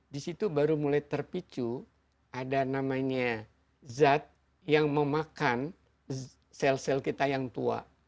di situ baru mulai terpicu ada namanya zat yang memakan sel sel kita yang tua